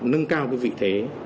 nâng cao cái vị thế